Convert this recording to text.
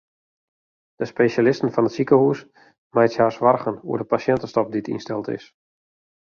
De spesjalisten fan it sikehús meitsje har soargen oer de pasjintestop dy't ynsteld is.